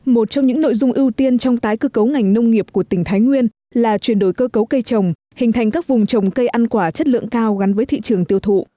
một trong những nội dung ưu tiên trong tái cơ cấu ngành nông nghiệp của tỉnh thái nguyên là chuyển đổi cơ cấu cây trồng hình thành các vùng trồng cây ăn quả chất lượng cao gắn với thị trường tiêu thụ